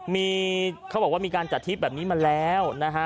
มีเขาบอกว่ามีการจัดทริปแบบนี้มาแล้วนะฮะ